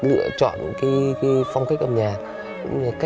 lựa chọn cái phong cách âm nhạc